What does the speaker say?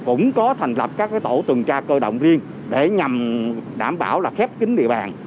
cũng có thành lập các tổ tuần tra cơ động riêng để nhằm đảm bảo là khép kín địa bàn